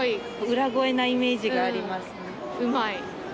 裏声なイメージがありますね。